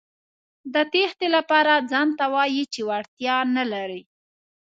د تېښتې لپاره ځانته وايئ چې وړتیا نه لرئ.